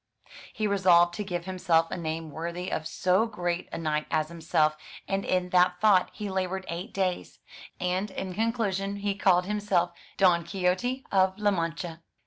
He resolved to give himself a name worthy of so great a knight as himself, and in that thought he laboured eight days; and in conclusion called himself Don Quixote of La Mancha.